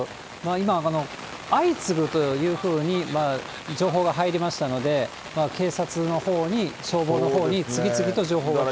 今、相次ぐというふうに情報が入りましたので、警察のほうに、消防のほうに次々と情報が来ている。